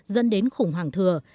dẫn đến khủng hoảng thừa